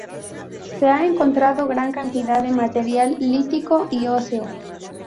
Se ha encontrado gran cantidad de material lítico y óseo.